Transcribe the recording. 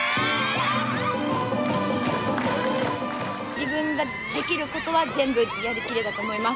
自分ができることは全部やりきれたと思います。